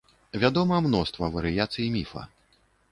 Вядома мноства варыяцый міфа.